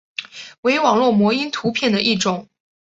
为网络模因图片的一种。